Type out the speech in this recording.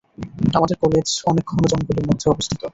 আমাদের কলেজ অনেক ঘন জঙ্গলের মধ্যে অবস্থিত।